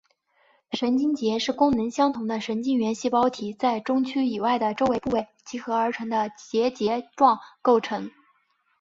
神经节是功能相同的神经元细胞体在中枢以外的周围部位集合而成的结节状构造。